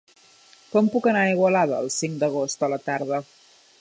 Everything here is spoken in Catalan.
Com puc anar a Igualada el cinc d'agost a la tarda?